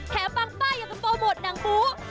แถมบางบ้ายอยากโปรโมทนางปู